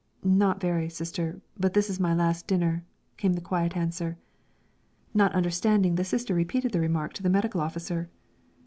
"Not very, Sister; but it's my last dinner!" came the quiet answer. Not understanding, the Sister repeated the remark to the Medical Officer.